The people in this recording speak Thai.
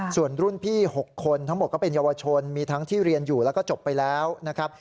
ส่วนรุ่นพี่๖คนทั้งหมดก็เป็นเยาวชนมีทั้งที่เรียนอยู่แล้วก็จบไปแล้วนะครับ